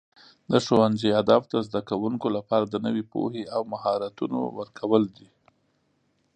د ښوونځي هدف د زده کوونکو لپاره د نوي پوهې او مهارتونو ورکول دي.